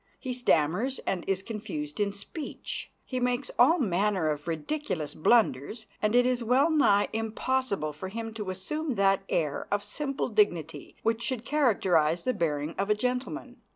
He stammers and is confused in speech. He makes all manner of ridiculous blunders, and it is well nigh impossible for him to assume that air of simple dignity which should characterize the bearing of a gentleman.